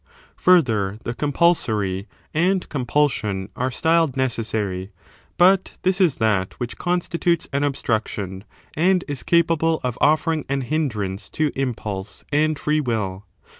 Further, the compulsory and compulsion are styled necessary ; but this is that which constitutes an obstruction, and is capable of oflFering an hindrance to impulse and free will.